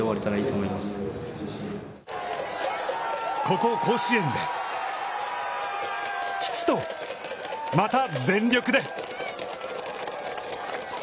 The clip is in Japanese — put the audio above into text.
ここ甲子園で父とまた全力で！